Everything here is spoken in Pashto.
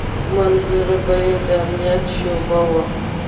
منظور به يې د امنيت شعبه وه.